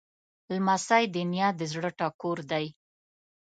لمسی د نیا د زړه ټکور دی.